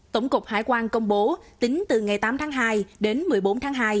tổng cục hải quan công bố tính từ ngày tám tháng hai đến một mươi bốn tháng hai